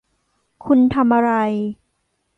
คุณทำอะไร